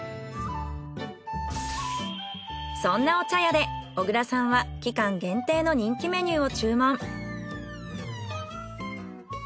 そんなお茶屋で小倉さんは期間限定の人気メニューを注文。